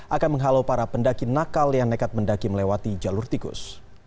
akan menghalau para pendaki nakal yang nekat mendaki melewati jalur tikus